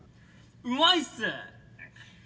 うまいっす！